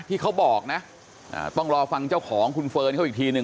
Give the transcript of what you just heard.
ที่เขาบอกนะต้องรอฟังเจ้าของคุณเฟิร์นเขาอีกทีหนึ่ง